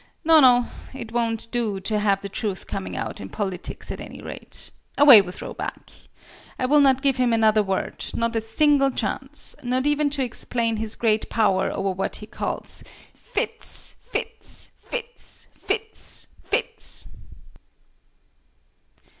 No, no it won't do to have the truth coming out, in politics at any rate! Away with Roback! I will not give him another word not a single chance not even to explain his great power over what he calls "Fits! Fits! Fits! Fits! Fits!"